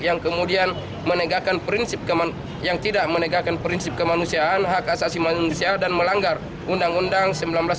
yang tidak menegakkan prinsip kemanusiaan hak asasi manusia dan melanggar undang undang seribu sembilan ratus empat puluh lima